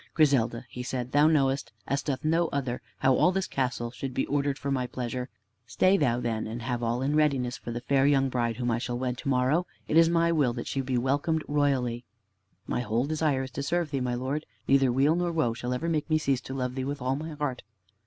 "Griselda," he said, "thou knowest, as doth no other, how all this castle should be ordered for my pleasure. Stay thou then, and have all in readiness for the fair young bride whom I shall wed to morrow. It is my will that she be welcomed royally." "My whole desire is to serve thee, my Lord. Neither weal nor woe shall ever make me cease to love thee with all my heart."